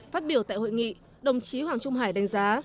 phát biểu tại hội nghị đồng chí hoàng trung hải đánh giá